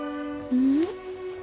うん？